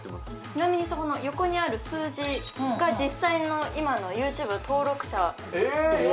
ちなみにそこの横にある数字が実際の今のＹｏｕＴｕｂｅ登録者え！